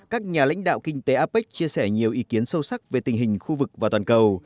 các nhà lãnh đạo kinh tế apec chia sẻ nhiều ý kiến sâu sắc về tình hình khu vực và toàn cầu